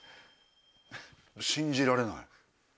信じられない。